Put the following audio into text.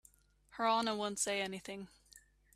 Her Honor won't say anything.